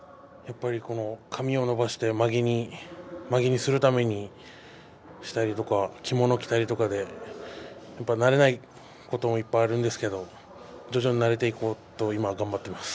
髪を伸ばしてまげにするためにしたりとか着物を着たりとかやっぱり慣れないこともいっぱいあるんですけど徐々に慣れていこうと今頑張っています。